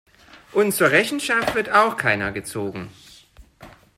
Und zur Rechenschaft wird auch keiner gezogen.